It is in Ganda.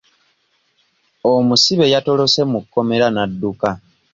Omusibe yatolose mu kkomera n'adduka.